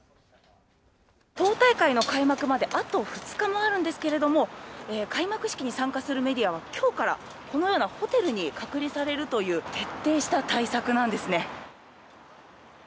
党大会の開幕まで、あと２日もあるんですけれども、開幕式に参加するメディアは、きょうから、このようなホテルに隔離されるという徹底した対策なんですね。